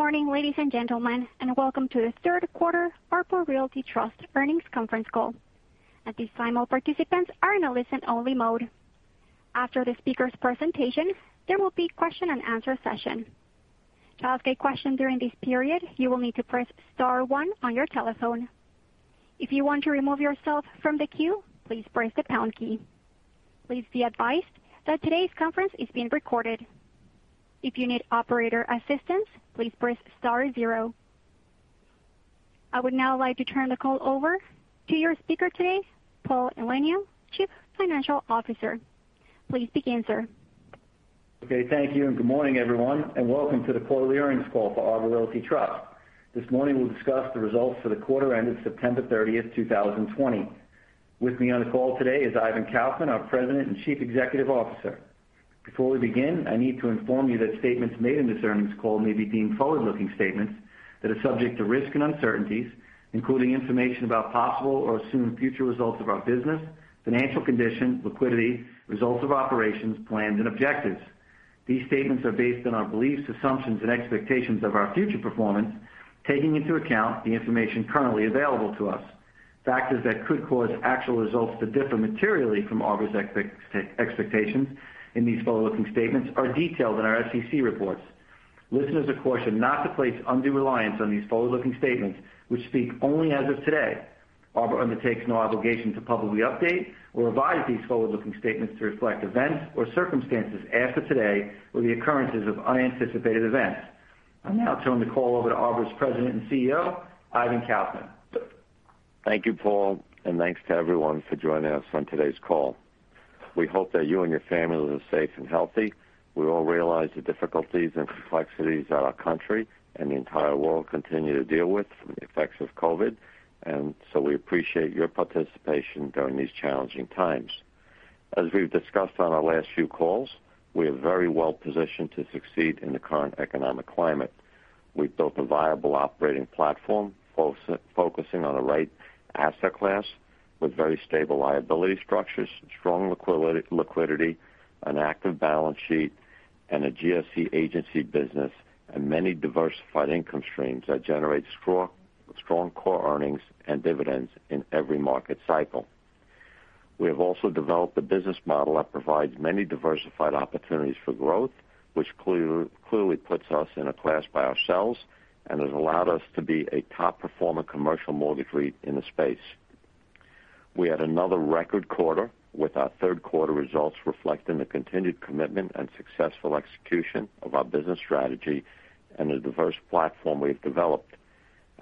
Good morning, ladies and gentlemen, and welcome to the Third Quarter Arbor Realty Trust Earnings Conference Call. At this time, all participants are in a listen-only mode. After the speaker's presentation, there will be a question-and-answer session. To ask a question during this period, you will need to press Star 1 on your telephone. If you want to remove yourself from the queue, please press the pound key. Please be advised that today's conference is being recorded. If you need operator assistance, please press Star 0. I would now like to turn the call over to your speaker today, Paul Elenio, Chief Financial Officer. Please begin, sir. Okay. Thank you, and good morning, everyone, and welcome to the quarterly earnings call for Arbor Realty Trust. This morning, we'll discuss the results for the quarter ended September 30, 2020. With me on the call today is Ivan Kaufman, our President and Chief Executive Officer. Before we begin, I need to inform you that statements made in this earnings call may be deemed forward-looking statements that are subject to risk and uncertainties, including information about possible or assumed future results of our business, financial condition, liquidity, results of operations, plans, and objectives. These statements are based on our beliefs, assumptions, and expectations of our future performance, taking into account the information currently available to us. Factors that could cause actual results to differ materially from Arbor's expectations in these forward-looking statements are detailed in our SEC reports. Listeners are cautioned not to place undue reliance on these forward-looking statements, which speak only as of today. Arbor undertakes no obligation to publicly update or revise these forward-looking statements to reflect events or circumstances after today or the occurrences of unanticipated events. I'm now turning the call over to Arbor's President and CEO, Ivan Kaufman. Thank you, Paul, and thanks to everyone for joining us on today's call. We hope that you and your family live safe and healthy. We all realize the difficulties and complexities that our country and the entire world continue to deal with from the effects of COVID, and so we appreciate your participation during these challenging times. As we've discussed on our last few calls, we are very well positioned to succeed in the current economic climate. We've built a viable operating platform focusing on the right asset class with very stable liability structures, strong liquidity, an active balance sheet, and a GSE agency business, and many diversified income streams that generate strong core earnings and dividends in every market cycle. We have also developed a business model that provides many diversified opportunities for growth, which clearly puts us in a class by ourselves and has allowed us to be a top-performer commercial mortgage REIT the space. We had another record quarter with our third quarter results reflecting the continued commitment and successful execution of our business strategy and the diverse platform we have developed.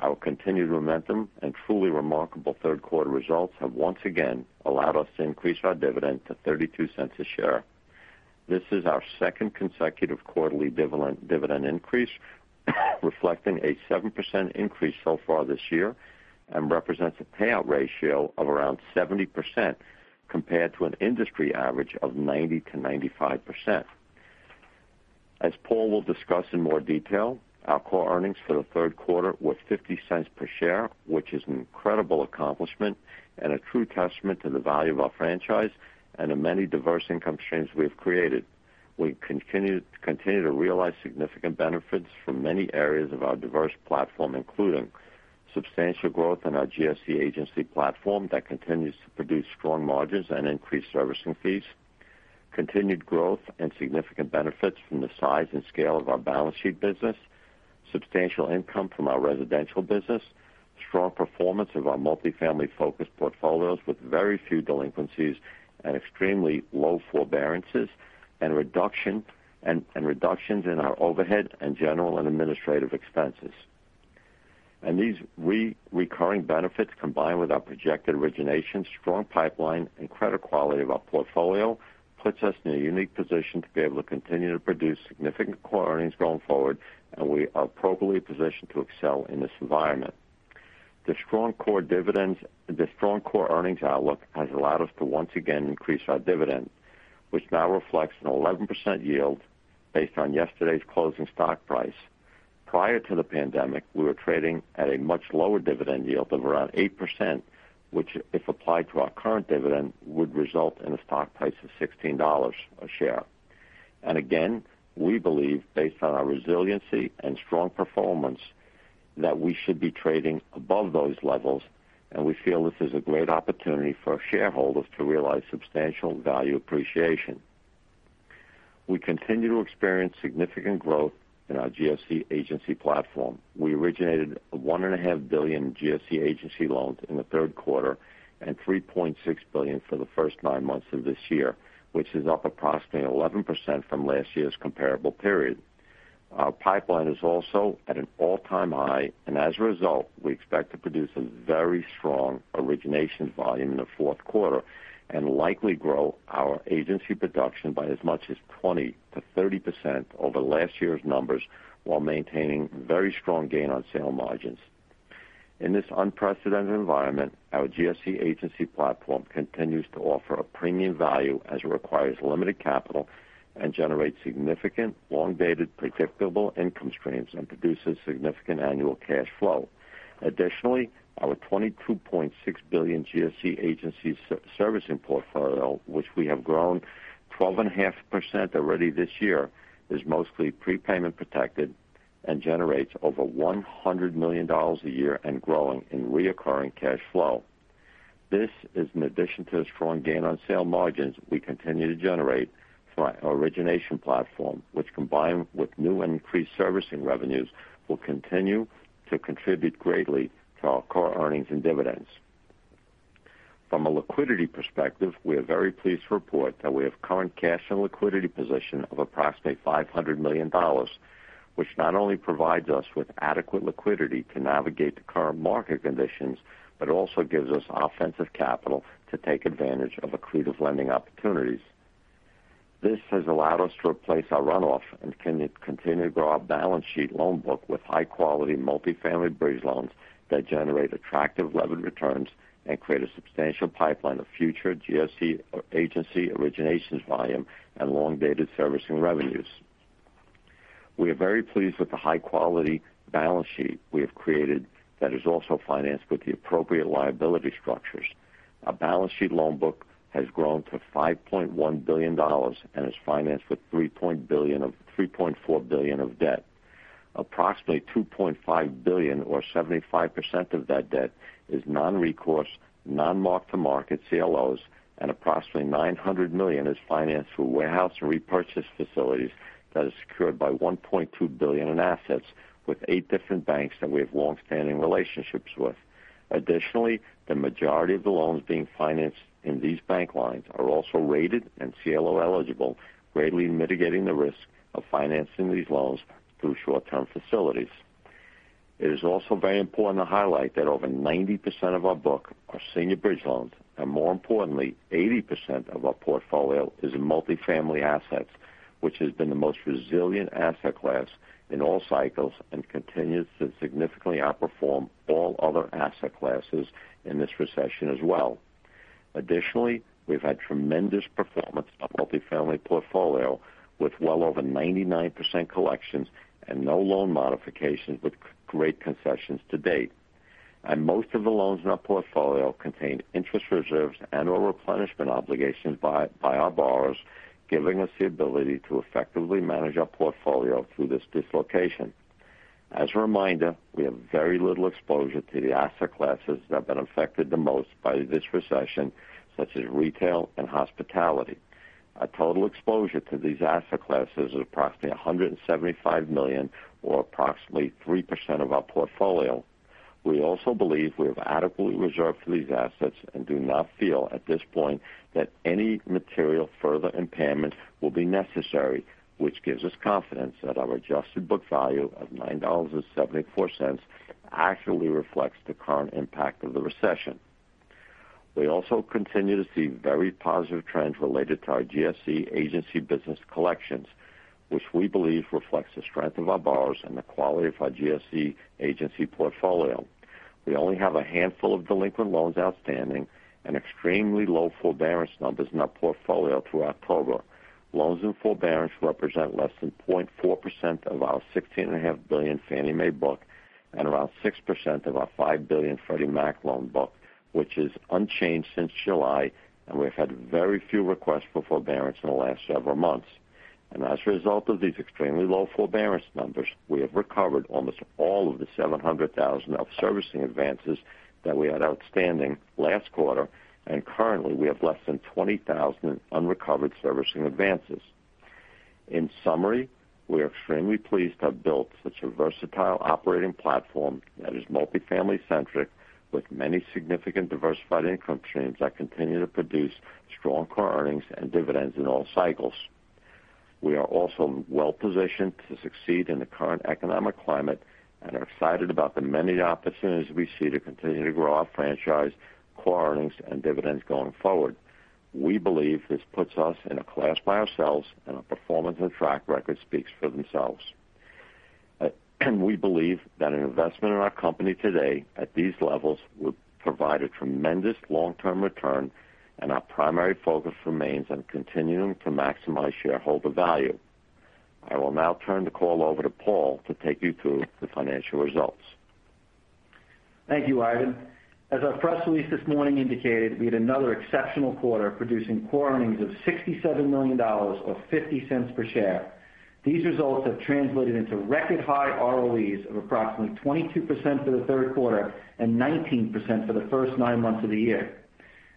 Our continued momentum and truly remarkable third quarter results have once again allowed us to increase our dividend to $0.32 a share. This is our second consecutive quarterly dividend increase, reflecting a 7% increase so far this year and represents a payout ratio of around 70% compared to an industry average of 90%-95%. As Paul will discuss in more detail, our core earnings for the third quarter were $0.50 per share, which is an incredible accomplishment and a true testament to the value of our franchise and the many diverse income streams we have created. We continue to realize significant benefits from many areas of our diverse platform, including substantial growth in our GSE agency platform that continues to produce strong margins and increased servicing fees, continued growth and significant benefits from the size and scale of our balance sheet business, substantial income from our residential business, strong performance of our multifamily-focused portfolios with very few delinquencies and extremely low forbearances, and reductions in our overhead and general and administrative expenses. These recurring benefits, combined with our projected origination, strong pipeline, and credit quality of our portfolio, puts us in a unique position to be able to continue to produce significant core earnings going forward, and we are appropriately positioned to excel in this environment. The strong core earnings outlook has allowed us to once again increase our dividend, which now reflects an 11% yield based on yesterday's closing stock price. Prior to the pandemic, we were trading at a much lower dividend yield of around 8%, which, if applied to our current dividend, would result in a stock price of $16 a share. Again, we believe, based on our resiliency and strong performance, that we should be trading above those levels, and we feel this is a great opportunity for our shareholders to realize substantial value appreciation. We continue to experience significant growth in our GSE agency platform. We originated $1.5 billion GSE agency loans in the third quarter and $3.6 billion for the first nine months of this year, which is up approximately 11% from last year's comparable period. Our pipeline is also at an all-time high, and as a result, we expect to produce a very strong origination volume in the fourth quarter and likely grow our agency production by as much as 20%-30% over last year's numbers while maintaining very strong gain on sale margins. In this unprecedented environment, our GSE agency platform continues to offer a premium value as it requires limited capital and generates significant, long-dated, predictable income streams and produces significant annual cash flow. Additionally, our $22.6 billion GSE agency servicing portfolio, which we have grown 12.5% already this year, is mostly prepayment protected and generates over $100 million a year and growing in recurring cash flow. This is in addition to the strong gain on sale margins we continue to generate from our origination platform, which, combined with new and increased servicing revenues, will continue to contribute greatly to our core earnings and dividends. From a liquidity perspective, we are very pleased to report that we have current cash and liquidity position of approximately $500 million, which not only provides us with adequate liquidity to navigate the current market conditions but also gives us offensive capital to take advantage of accretive lending opportunities. This has allowed us to replace our runoff and continue to grow our balance sheet loan book with high-quality multifamily bridge loans that generate attractive levered returns and create a substantial pipeline of future GSE agency originations volume and long-dated servicing revenues. We are very pleased with the high-quality balance sheet we have created that is also financed with the appropriate liability structures. Our balance sheet loan book has grown to $5.1 billion and is financed with $3.4 billion of debt. Approximately $2.5 billion, or 75% of that debt, is non-recourse, non-mark-to-market CLOs, and approximately $900 million is financed through warehouse and repurchase facilities that are secured by $1.2 billion in assets with 8 different banks that we have long-standing relationships with. Additionally, the majority of the loans being financed in these bank lines are also rated and CLO-eligible, greatly mitigating the risk of financing these loans through short-term facilities. It is also very important to highlight that over 90% of our book are senior bridge loans, and more importantly, 80% of our portfolio is in multifamily assets, which has been the most resilient asset class in all cycles and continues to significantly outperform all other asset classes in this recession as well. Additionally, we've had tremendous performance of our multifamily portfolio with well over 99% collections and no loan modifications with great concessions to date. And most of the loans in our portfolio contain interest reserves and/or replenishment obligations by our borrowers, giving us the ability to effectively manage our portfolio through this dislocation. As a reminder, we have very little exposure to the asset classes that have been affected the most by this recession, such as retail and hospitality. Our total exposure to these asset classes is approximately $175 million, or approximately 3% of our portfolio. We also believe we have adequately reserved for these assets and do not feel, at this point, that any material further impairment will be necessary, which gives us confidence that our adjusted book value of $9.74 actually reflects the current impact of the recession. We also continue to see very positive trends related to our GSE agency business collections, which we believe reflects the strength of our borrowers and the quality of our GSE agency portfolio. We only have a handful of delinquent loans outstanding and extremely low forbearance numbers in our portfolio through October. Loans in forbearance represent less than 0.4% of our $16.5 billion Fannie Mae book and around 6% of our $5 billion Freddie Mac loan book, which is unchanged since July, and we've had very few requests for forbearance in the last several months, and as a result of these extremely low forbearance numbers, we have recovered almost all of the $700,000 of servicing advances that we had outstanding last quarter, and currently, we have less than $20,000 unrecovered servicing advances. In summary, we are extremely pleased to have built such a versatile operating platform that is multifamily-centric with many significant diversified income streams that continue to produce strong core earnings and dividends in all cycles. We are also well positioned to succeed in the current economic climate and are excited about the many opportunities we see to continue to grow our franchise, core earnings, and dividends going forward. We believe this puts us in a class by ourselves, and our performance and track record speak for themselves. We believe that an investment in our company today at these levels would provide a tremendous long-term return, and our primary focus remains on continuing to maximize shareholder value. I will now turn the call over to Paul to take you through the financial results. Thank you, Ivan. As our press release this morning indicated, we had another exceptional quarter producing core earnings of $67 million, or $0.50 per share. These results have translated into record-high ROEs of approximately 22% for the third quarter and 19% for the first nine months of the year.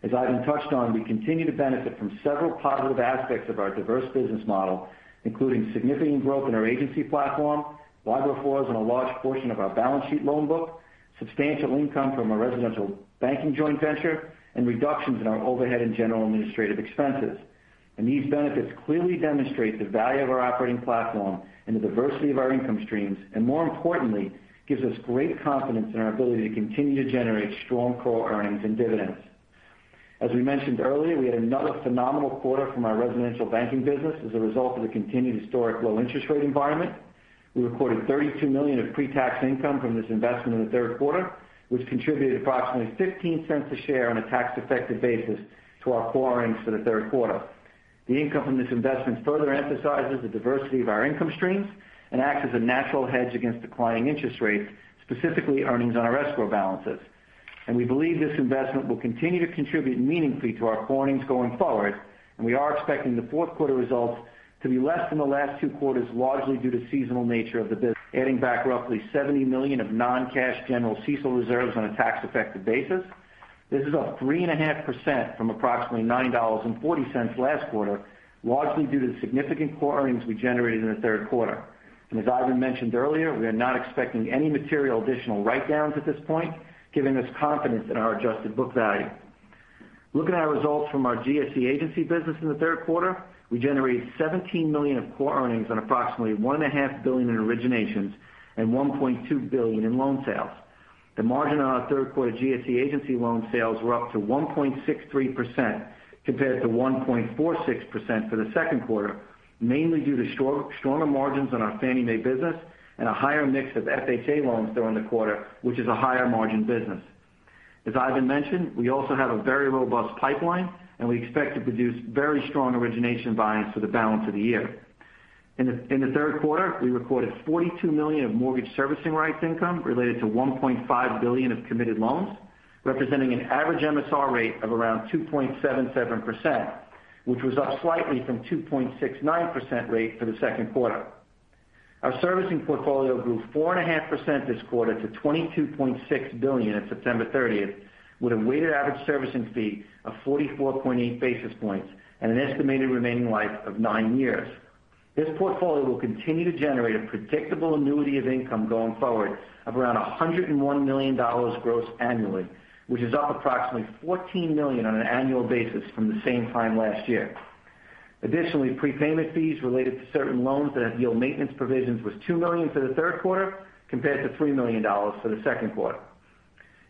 As Ivan touched on, we continue to benefit from several positive aspects of our diverse business model, including significant growth in our agency platform, LIBOR floors on a large portion of our balance sheet loan book, substantial income from our residential banking joint venture, and reductions in our overhead and general administrative expenses, and these benefits clearly demonstrate the value of our operating platform and the diversity of our income streams, and more importantly, gives us great confidence in our ability to continue to generate strong core earnings and dividends. As we mentioned earlier, we had another phenomenal quarter from our residential banking business as a result of the continued historic low interest rate environment. We recorded $32 million of pre-tax income from this investment in the third quarter, which contributed approximately $0.15 a share on a tax-effective basis to our core earnings for the third quarter. The income from this investment further emphasizes the diversity of our income streams and acts as a natural hedge against declining interest rates, specifically earnings on our escrow balances. We believe this investment will continue to contribute meaningfully to our core earnings going forward, and we are expecting the fourth quarter results to be less than the last two quarters, largely due to the seasonal nature of the business. Adding back roughly $70 million of non-cash general CECL reserves on a tax-effective basis, this is up 3.5% from approximately $9.40 last quarter, largely due to the significant core earnings we generated in the third quarter, and as Ivan mentioned earlier, we are not expecting any material additional write-downs at this point, giving us confidence in our adjusted book value. Looking at our results from our GSE agency business in the third quarter, we generated $17 million of core earnings on approximately $1.5 billion in originations and $1.2 billion in loan sales. The margin on our third quarter GSE agency loan sales were up to 1.63% compared to 1.46% for the second quarter, mainly due to stronger margins on our Fannie Mae business and a higher mix of FHA loans during the quarter, which is a higher margin business. As Ivan mentioned, we also have a very robust pipeline, and we expect to produce very strong origination buyings for the balance of the year. In the third quarter, we recorded $42 million of mortgage servicing rights income related to $1.5 billion of committed loans, representing an average MSR rate of around 2.77%, which was up slightly from 2.69% rate for the second quarter. Our servicing portfolio grew 4.5% this quarter to $22.6 billion at September 30th, with a weighted average servicing fee of 44.8 basis points and an estimated remaining life of nine years. This portfolio will continue to generate a predictable annuity of income going forward of around $101 million gross annually, which is up approximately $14 million on an annual basis from the same time last year. Additionally, prepayment fees related to certain loans that have yield maintenance provisions was $2 million for the third quarter compared to $3 million for the second quarter.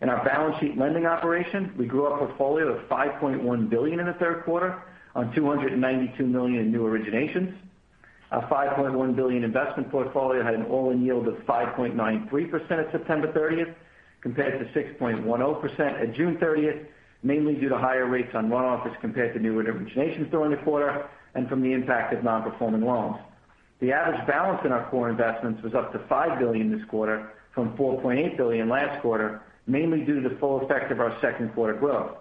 In our balance sheet lending operation, we grew our portfolio to $5.1 billion in the third quarter on $292 million in new originations. Our $5.1 billion investment portfolio had an all-in yield of 5.93% at September 30th compared to 6.10% at June 30th, mainly due to higher rates on runoff as compared to new originations during the quarter and from the impact of non-performing loans. The average balance in our core investments was up to $5 billion this quarter from $4.8 billion last quarter, mainly due to the full effect of our second quarter growth.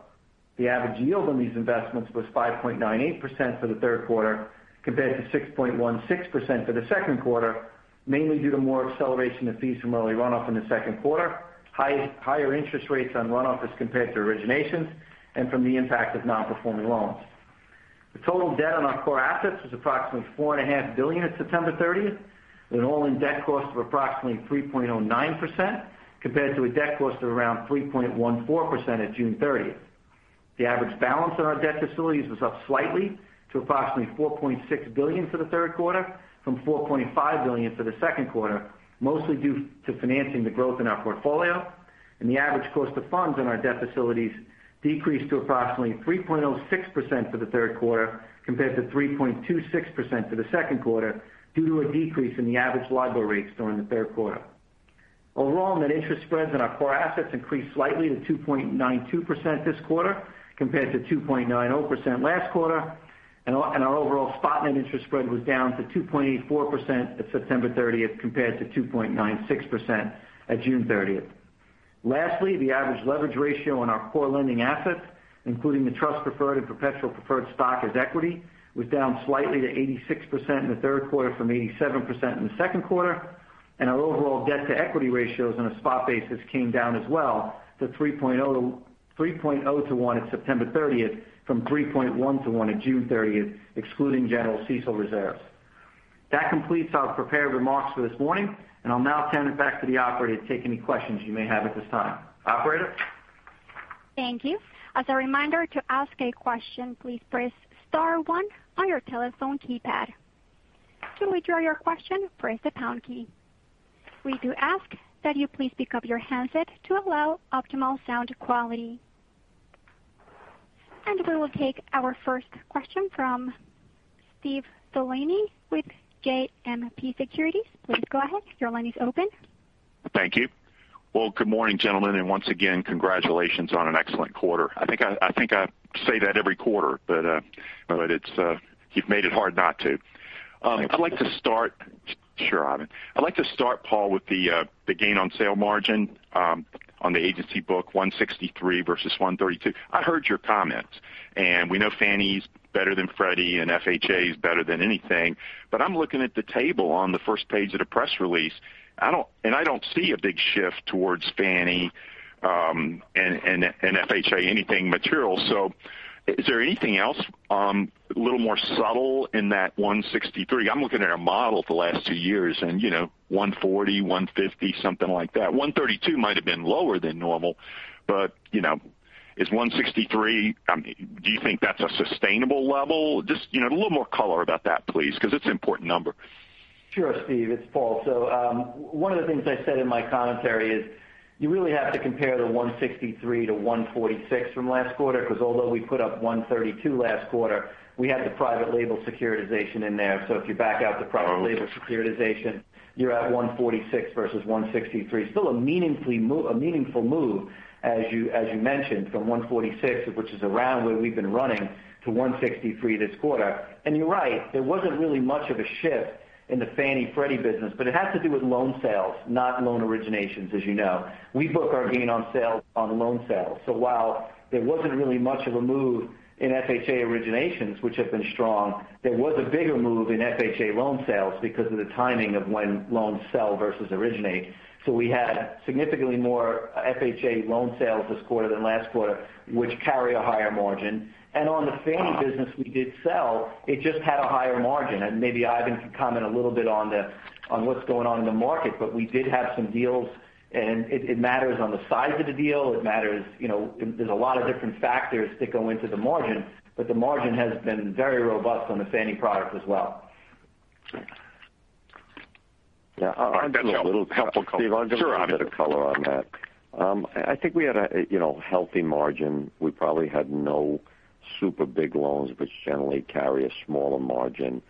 The average yield on these investments was 5.98% for the third quarter compared to 6.16% for the second quarter, mainly due to more acceleration of fees from early runoff in the second quarter, higher interest rates on runoff as compared to originations, and from the impact of non-performing loans. The total debt on our core assets was approximately $4.5 billion at September 30th, with an all-in debt cost of approximately 3.09% compared to a debt cost of around 3.14% at June 30th. The average balance on our debt facilities was up slightly to approximately $4.6 billion for the third quarter from $4.5 billion for the second quarter, mostly due to financing the growth in our portfolio. The average cost of funds on our debt facilities decreased to approximately 3.06% for the third quarter compared to 3.26% for the second quarter due to a decrease in the average LIBOR rates during the third quarter. Overall, net interest spreads on our core assets increased slightly to 2.92% this quarter compared to 2.90% last quarter, and our overall spot net interest spread was down to 2.84% at September 30th compared to 2.96% at June 30th. Lastly, the average leverage ratio on our core lending assets, including the trust preferred and perpetual preferred stock as equity, was down slightly to 86% in the third quarter from 87% in the second quarter. Our overall debt-to-equity ratios on a spot basis came down as well to 3.0 to 1 at September 30th from 3.1 to 1 at June 30th, excluding general CECL reserves. That completes our prepared remarks for this morning, and I'll now turn it back to the operator to take any questions you may have at this time. Operator. Thank you. As a reminder, to ask a question, please press star one on your telephone keypad. To withdraw your question, press the pound key. We do ask that you please pick up your handset to allow optimal sound quality. And we will take our first question from Steven Delaney with JMP Securities. Please go ahead. Your line is open. Thank you. Good morning, gentlemen, and once again, congratulations on an excellent quarter. I think I say that every quarter, but you've made it hard not to. I'd like to start, sure, Ivan. I'd like to start, Paul, with the gain on sale margin on the agency book, 163 versus 132. I heard your comments, and we know Fannie's better than Freddie and FHA's better than anything, but I'm looking at the table on the first page of the press release, and I don't see a big shift towards Fannie and FHA, anything material. So is there anything else a little more subtle in that 163? I'm looking at our model for the last two years, and 140, 150, something like that. 132 might have been lower than normal, but is 163, do you think that's a sustainable level? Just a little more color about that, please, because it's an important number. Sure, Steve. It's Paul. So one of the things I said in my commentary is you really have to compare the 163 to 146 from last quarter because although we put up 132 last quarter, we had the private label securitization in there. So if you back out the private label securitization, you're at 146 versus 163. Still a meaningful move, as you mentioned, from 146, which is around where we've been running, to 163 this quarter. And you're right, there wasn't really much of a shift in the Fannie Freddie business, but it has to do with loan sales, not loan originations, as you know. We book our gain on sale on loan sales. So while there wasn't really much of a move in FHA originations, which have been strong, there was a bigger move in FHA loan sales because of the timing of when loans sell versus originate. So we had significantly more FHA loan sales this quarter than last quarter, which carry a higher margin. And on the Fannie business, we did sell. It just had a higher margin. And maybe Ivan can comment a little bit on what's going on in the market, but we did have some deals, and it matters on the size of the deal. It matters. There's a lot of different factors that go into the margin, but the margin has been very robust on the Fannie product as well. Yeah. I'll add just a little helpful comment. Steve, I'll just add a bit of color on that. I think we had a healthy margin. We probably had no super big loans, which generally carry a smaller margin,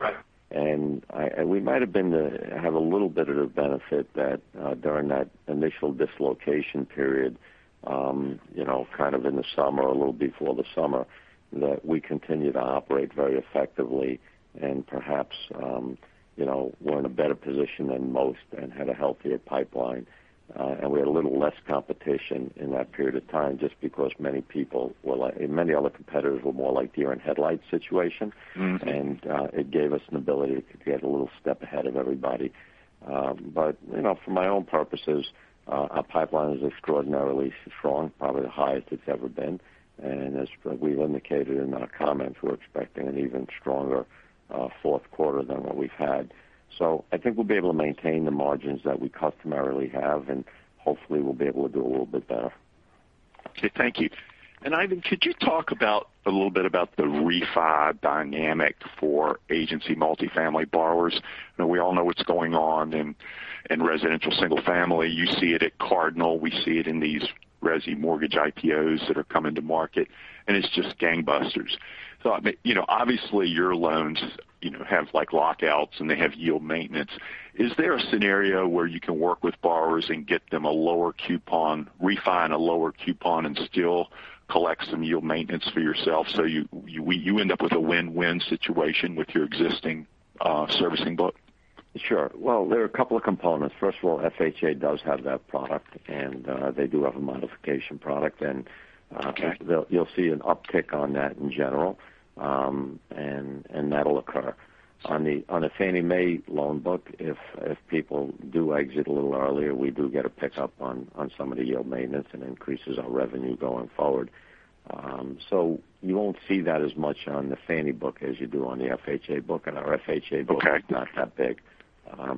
and we might have been to have a little bit of the benefit that during that initial dislocation period, kind of in the summer, a little before the summer, that we continued to operate very effectively and perhaps were in a better position than most and had a healthier pipeline, and we had a little less competition in that period of time just because many people were like, many other competitors were more like deer in headlights situation, and it gave us an ability to get a little step ahead of everybody, but for my own purposes, our pipeline is extraordinarily strong, probably the highest it's ever been. And as we've indicated in our comments, we're expecting an even stronger fourth quarter than what we've had. So I think we'll be able to maintain the margins that we customarily have, and hopefully, we'll be able to do a little bit better. Okay. Thank you. And Ivan, could you talk a little bit about the refi dynamic for agency multifamily borrowers? We all know what's going on in residential single-family. You see it at Cardinal. We see it in these Resi mortgage IPOs that are coming to market, and it's just gangbusters. So obviously, your loans have lockouts, and they have yield maintenance. Is there a scenario where you can work with borrowers and get them a lower coupon, refine a lower coupon, and still collect some yield maintenance for yourself so you end up with a win-win situation with your existing servicing book? Sure. Well, there are a couple of components. First of all, FHA does have that product, and they do have a modification product, and you'll see an uptick on that in general, and that'll occur. On the Fannie Mae loan book, if people do exit a little earlier, we do get a pickup on some of the yield maintenance and increases our revenue going forward. So you won't see that as much on the Fannie book as you do on the FHA book, and our FHA book is not that big.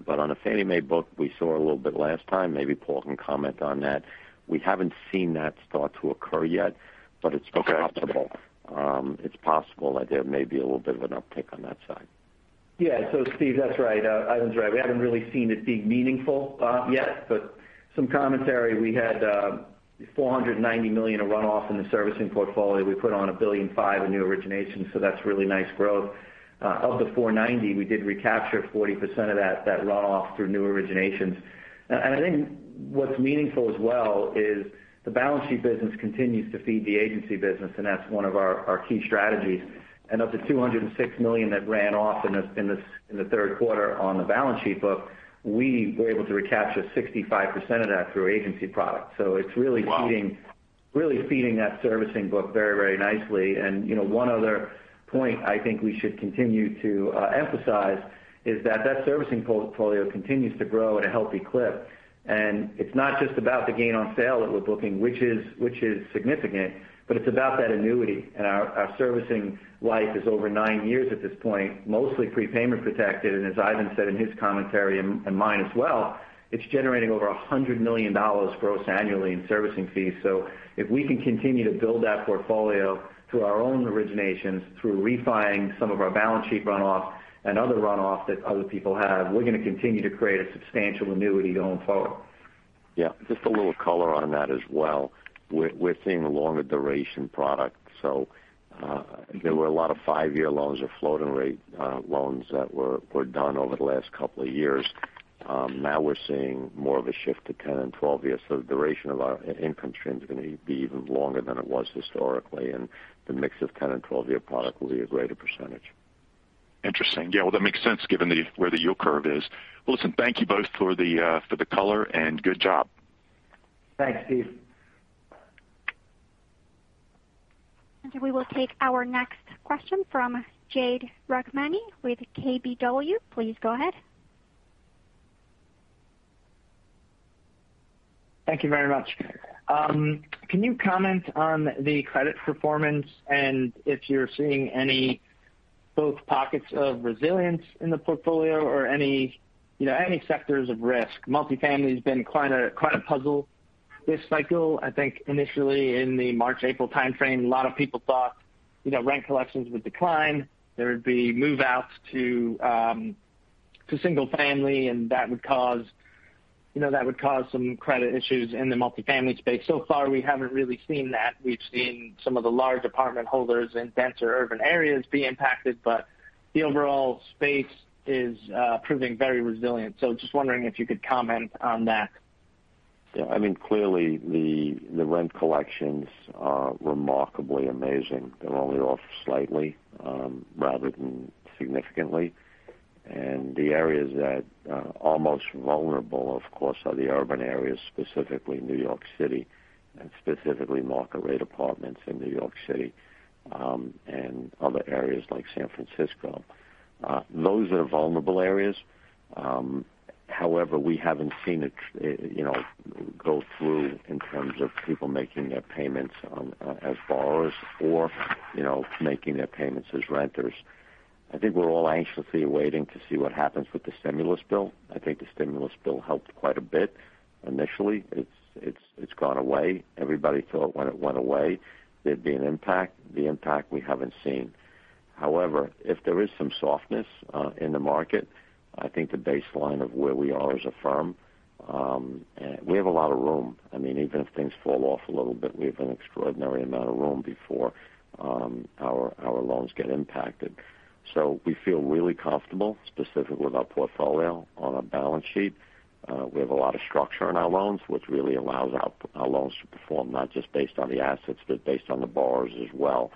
But on the Fannie Mae book, we saw a little bit last time. Maybe Paul can comment on that. We haven't seen that start to occur yet, but it's possible that there may be a little bit of an uptick on that side. Yeah. So, Steve, that's right. Ivan's right. We haven't really seen it being meaningful yet, but some commentary. We had $490 million of runoff in the servicing portfolio. We put on $1.5 billion in new originations, so that's really nice growth. Of the 490, we did recapture 40% of that runoff through new originations and I think what's meaningful as well is the balance sheet business continues to feed the agency business, and that's one of our key strategies. Of the $206 million that ran off in the third quarter on the balance sheet book, we were able to recapture 65% of that through agency product, so it's really feeding that servicing book very, very nicely and one other point I think we should continue to emphasize is that that servicing portfolio continues to grow at a healthy clip. It's not just about the gain on sale that we're booking, which is significant, but it's about that annuity. Our servicing life is over nine years at this point, mostly prepayment protected. As Ivan said in his commentary and mine as well, it's generating over $100 million gross annually in servicing fees. If we can continue to build that portfolio through our own originations, through refining some of our balance sheet runoff and other runoff that other people have, we're going to continue to create a substantial annuity going forward. Yeah. Just a little color on that as well. We're seeing a longer duration product. So there were a lot of five-year loans or floating-rate loans that were done over the last couple of years. Now we're seeing more of a shift to 10- and 12-year. So the duration of our income stream is going to be even longer than it was historically, and the mix of 10- and 12-year product will be a greater percentage. Interesting. Yeah. Well, that makes sense given where the yield curve is. Well, listen, thank you both for the color, and good job. Thanks, Steve. We will take our next question from Jade Rahmani with KBW. Please go ahead. Thank you very much. Can you comment on the credit performance and if you're seeing any both pockets of resilience in the portfolio or any sectors of risk? Multifamily has been quite a puzzle this cycle. I think initially in the March-April timeframe, a lot of people thought rent collections would decline. There would be move-outs to single-family, and that would cause some credit issues in the multifamily space. So far, we haven't really seen that. We've seen some of the large apartment holders in denser urban areas be impacted, but the overall space is proving very resilient. So just wondering if you could comment on that. Yeah. I mean, clearly, the rent collections are remarkably amazing. They're only off slightly rather than significantly, and the areas that are most vulnerable, of course, are the urban areas, specifically New York City and specifically market-rate apartments in New York City and other areas like San Francisco. Those are vulnerable areas. However, we haven't seen it go through in terms of people making their payments as borrowers or making their payments as renters. I think we're all anxiously awaiting to see what happens with the stimulus bill. I think the stimulus bill helped quite a bit initially. It's gone away. Everybody thought when it went away, there'd be an impact. The impact we haven't seen. However, if there is some softness in the market, I think the baseline of where we are as a firm, we have a lot of room. I mean, even if things fall off a little bit, we have an extraordinary amount of room before our loans get impacted. So we feel really comfortable, specifically with our portfolio on our balance sheet. We have a lot of structure in our loans, which really allows our loans to perform not just based on the assets, but based on the borrowers as well.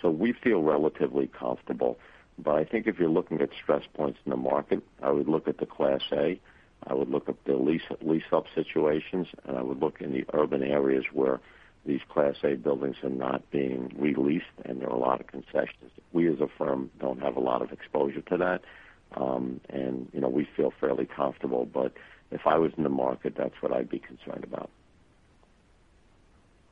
So we feel relatively comfortable. But I think if you're looking at stress points in the market, I would look at the Class A. I would look at the lease-up situations, and I would look in the urban areas where these Class A buildings are not being released, and there are a lot of concessions. We, as a firm, don't have a lot of exposure to that, and we feel fairly comfortable. But if I was in the market, that's what I'd be concerned about.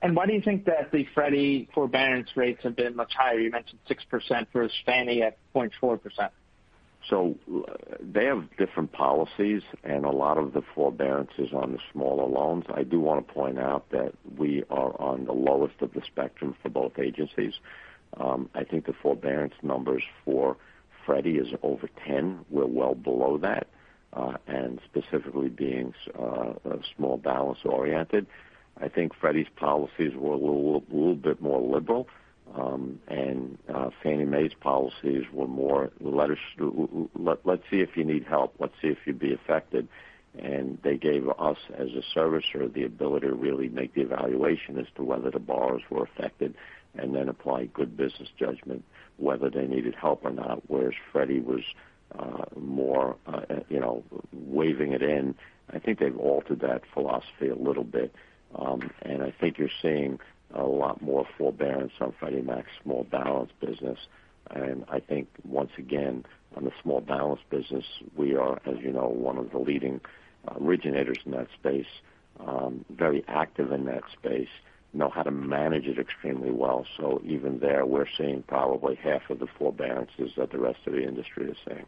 Why do you think that the Freddie forbearance rates have been much higher? You mentioned 6% for Fannie at 0.4%. So they have different policies, and a lot of the forbearances on the smaller loans. I do want to point out that we are on the lowest of the spectrum for both agencies. I think the forbearance numbers for Freddie is over 10%. We're well below that, and specifically being small balance oriented. I think Freddie's policies were a little bit more liberal, and Fannie Mae's policies were more let's see if you need help. Let's see if you'd be affected. And they gave us, as a servicer, the ability to really make the evaluation as to whether the borrowers were affected and then apply good business judgment, whether they needed help or not, whereas Freddie was more waving it in. I think they've altered that philosophy a little bit. And I think you're seeing a lot more forbearance on Freddie Mac small balance business. And I think, once again, on the small balance business, we are, as you know, one of the leading originators in that space, very active in that space, know how to manage it extremely well. So even there, we're seeing probably half of the forbearances that the rest of the industry is seeing.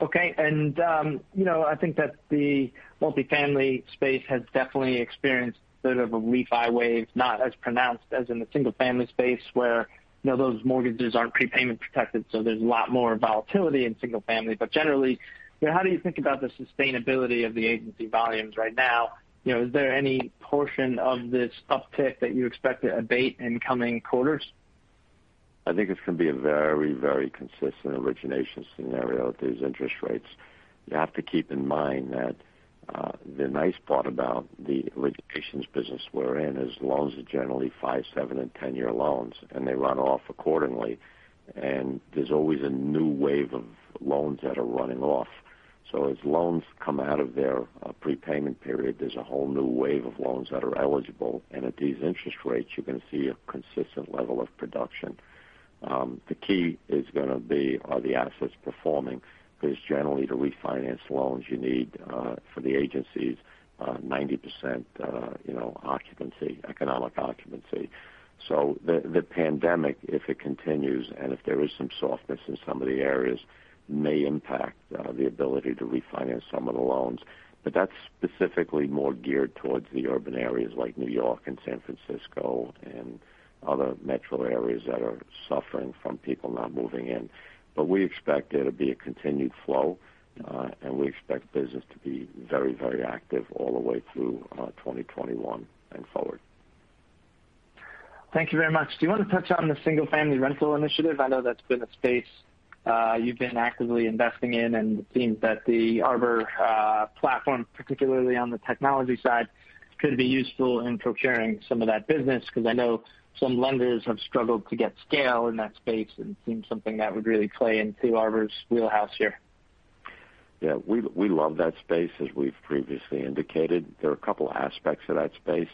Okay. And I think that the multifamily space has definitely experienced a bit of a refi wave, not as pronounced as in the single-family space where those mortgages aren't prepayment protected. So there's a lot more volatility in single-family. But generally, how do you think about the sustainability of the agency volumes right now? Is there any portion of this uptick that you expect to abate in coming quarters? I think it's going to be a very, very consistent origination scenario at these interest rates. You have to keep in mind that the nice part about the originations business we're in is loans are generally five-, seven-, and 10-year loans, and they run off accordingly, and there's always a new wave of loans that are running off, so as loans come out of their prepayment period, there's a whole new wave of loans that are eligible, and at these interest rates, you're going to see a consistent level of production. The key is going to be, are the assets performing because generally, to refinance loans, you need for the agencies 90% occupancy, economic occupancy, so the pandemic, if it continues, and if there is some softness in some of the areas, may impact the ability to refinance some of the loans. But that's specifically more geared towards the urban areas like New York and San Francisco and other metro areas that are suffering from people not moving in. But we expect there to be a continued flow, and we expect business to be very, very active all the way through 2021 and forward. Thank you very much. Do you want to touch on the single-family rental initiative? I know that's been a space you've been actively investing in, and it seems that the Arbor platform, particularly on the technology side, could be useful in procuring some of that business because I know some lenders have struggled to get scale in that space and seem something that would really play into Arbor's wheelhouse here. Yeah. We love that space, as we've previously indicated. There are a couple of aspects of that space.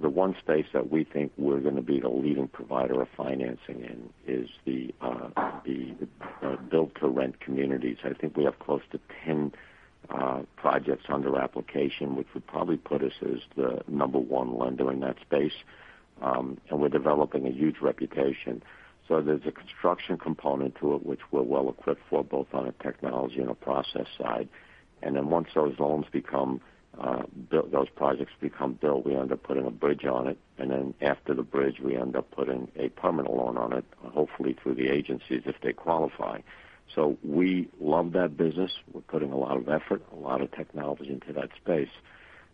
The one space that we think we're going to be the leading provider of financing in is the build-to-rent communities. I think we have close to 10 projects under application, which would probably put us as the number one lender in that space, and we're developing a huge reputation. So there's a construction component to it, which we're well equipped for, both on a technology and a process side. And then once those projects become built, we end up putting a bridge on it. And then after the bridge, we end up putting a permanent loan on it, hopefully through the agencies if they qualify. So we love that business. We're putting a lot of effort, a lot of technology into that space.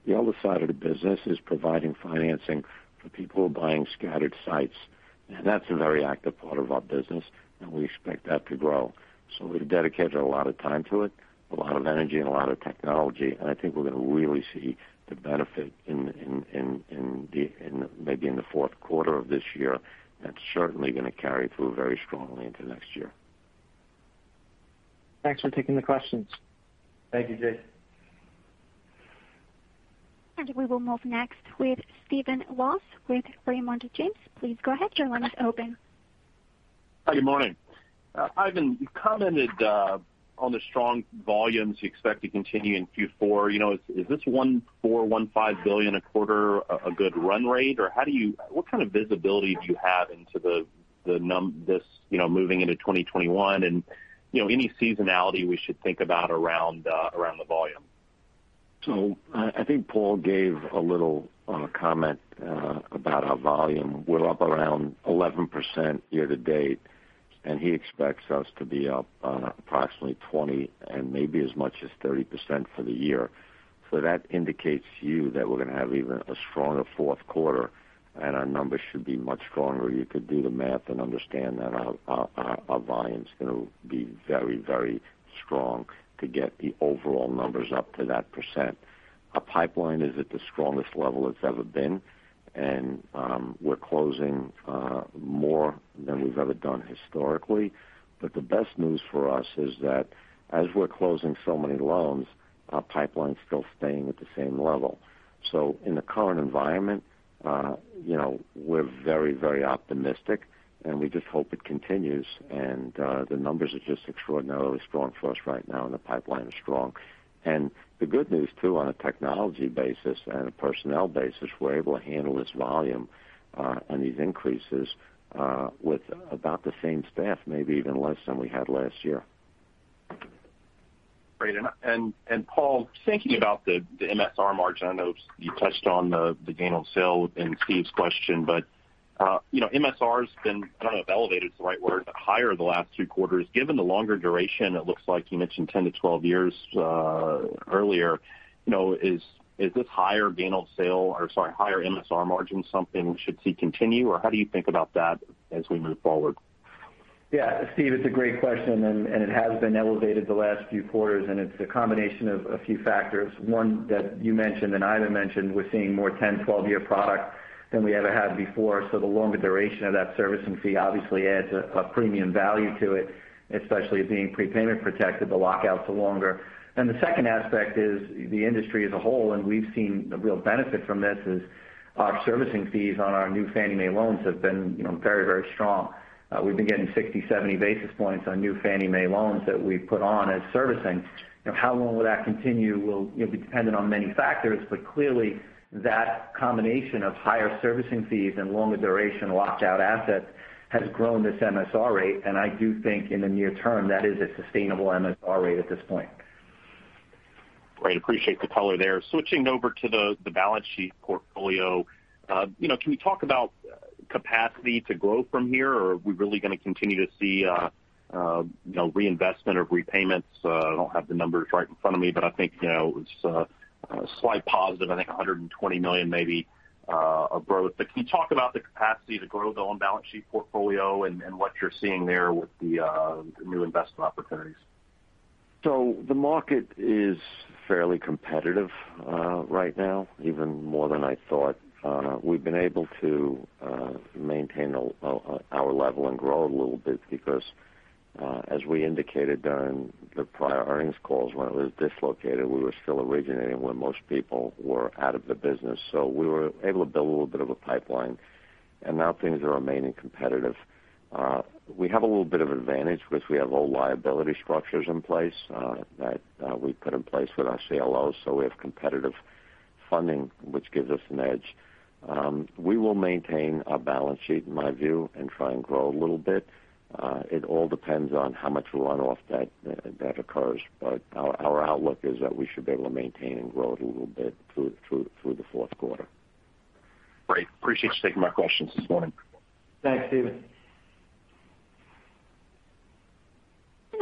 The other side of the business is providing financing for people who are buying scattered sites. And that's a very active part of our business, and we expect that to grow. So we've dedicated a lot of time to it, a lot of energy, and a lot of technology. And I think we're going to really see the benefit maybe in the fourth quarter of this year. That's certainly going to carry through very strongly into next year. Thanks for taking the questions. Thank you, Jade. And we will move next with Stephen Laws with Raymond James. Please go ahead. Your line is open. Hi, good morning. Ivan, you commented on the strong volumes you expect to continue in Q4. Is this $1.4-$1.5 billion a quarter a good run rate, or what kind of visibility do you have into this moving into 2021 and any seasonality we should think about around the volume? So I think Paul gave a little comment about our volume. We're up around 11% year to date, and he expects us to be up approximately 20% and maybe as much as 30% for the year. So that indicates to you that we're going to have even a stronger fourth quarter, and our numbers should be much stronger. You could do the math and understand that our volume is going to be very, very strong to get the overall numbers up to that percent. Our pipeline is at the strongest level it's ever been, and we're closing more than we've ever done historically. But the best news for us is that as we're closing so many loans, our pipeline is still staying at the same level. So in the current environment, we're very, very optimistic, and we just hope it continues. And the numbers are just extraordinarily strong for us right now, and the pipeline is strong. And the good news too, on a technology basis and a personnel basis, we're able to handle this volume and these increases with about the same staff, maybe even less than we had last year. Great. And Paul, thinking about the MSR margin, I know you touched on the gain on sale in Steve's question, but MSR has been, I don't know if elevated is the right word, but higher in the last two quarters. Given the longer duration, it looks like you mentioned 10-12 years earlier. Is this higher gain on sale or, sorry, higher MSR margin something we should see continue, or how do you think about that as we move forward? Yeah. Steve, it's a great question, and it has been elevated the last few quarters, and it's a combination of a few factors. One that you mentioned and Ivan mentioned, we're seeing more 10-12-year product than we ever had before. So the longer duration of that servicing fee obviously adds a premium value to it, especially being prepayment protected. The lockout's longer. And the second aspect is the industry as a whole, and we've seen a real benefit from this, is our servicing fees on our new Fannie Mae loans have been very, very strong. We've been getting 60-70 basis points on new Fannie Mae loans that we've put on as servicing. How long will that continue will be dependent on many factors, but clearly, that combination of higher servicing fees and longer duration locked-out assets has grown this MSR rate. I do think in the near term, that is a sustainable MSR rate at this point. Great. Appreciate the color there. Switching over to the balance sheet portfolio, can we talk about capacity to grow from here, or are we really going to continue to see reinvestment of repayments? I don't have the numbers right in front of me, but I think it's a slight positive, I think $120 million maybe of growth. But can you talk about the capacity to grow the own balance sheet portfolio and what you're seeing there with the new investment opportunities? So the market is fairly competitive right now, even more than I thought. We've been able to maintain our level and grow a little bit because, as we indicated during the prior earnings calls when it was dislocated, we were still originating where most people were out of the business. So we were able to build a little bit of a pipeline, and now things are remaining competitive. We have a little bit of advantage because we have old liability structures in place that we put in place with our CLOs. So we have competitive funding, which gives us an edge. We will maintain our balance sheet, in my view, and try and grow a little bit. It all depends on how much runoff that occurs. But our outlook is that we should be able to maintain and grow it a little bit through the fourth quarter. Great. Appreciate you taking my questions this morning. Thanks, Steven.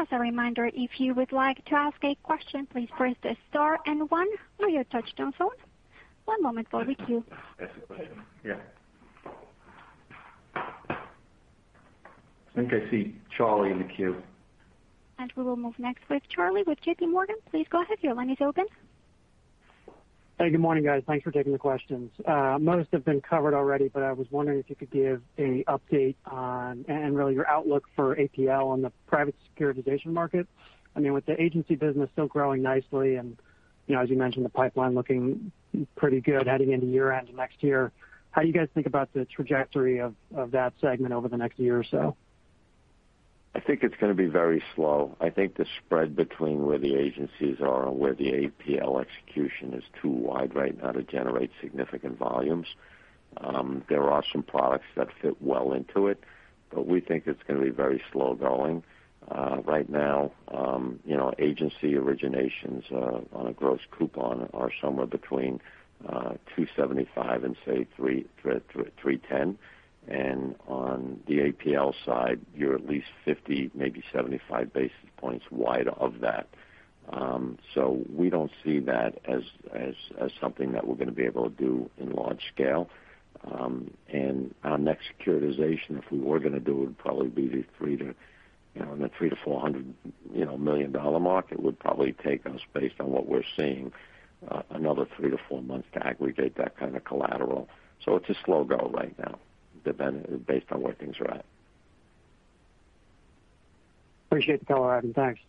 As a reminder, if you would like to ask a question, please press star one on your touch-tone phone. One moment for the queue. Yeah. I think I see Charlie in the queue. We will move next with Charlie with J.P. Morgan. Please go ahead. Your line is open. Hey, good morning, guys. Thanks for taking the questions. Most have been covered already, but I was wondering if you could give an update on and really your outlook for APL on the private securitization market. I mean, with the agency business still growing nicely and, as you mentioned, the pipeline looking pretty good heading into year-end next year, how do you guys think about the trajectory of that segment over the next year or so? I think it's going to be very slow. I think the spread between where the agencies are and where the APL execution is too wide right now to generate significant volumes. There are some products that fit well into it, but we think it's going to be very slow going. Right now, agency originations on a gross coupon are somewhere between 275 and, say, 310. And on the APL side, you're at least 50, maybe 75 basis points wide of that. So we don't see that as something that we're going to be able to do in large scale. And our next securitization, if we were going to do it, would probably be the $3 million-$400 million market. It would probably take us, based on what we're seeing, another three to four months to aggregate that kind of collateral. It's a slow go right now, based on where things are at. Appreciate the call, Ivan. Thanks.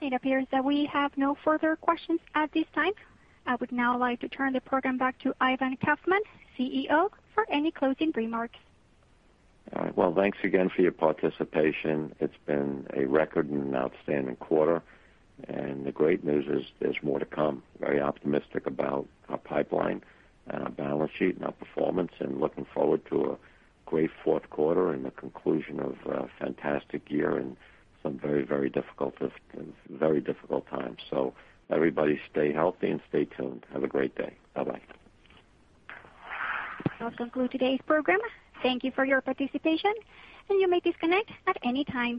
It appears that we have no further questions at this time. I would now like to turn the program back to Ivan Kaufman, CEO, for any closing remarks. All right, well, thanks again for your participation. It's been a record and an outstanding quarter, and the great news is there's more to come, very optimistic about our pipeline and our balance sheet and our performance and looking forward to a great fourth quarter and the conclusion of a fantastic year in some very, very difficult times, so everybody stay healthy and stay tuned. Have a great day. Bye-bye. That concludes today's program. Thank you for your participation, and you may disconnect at any time.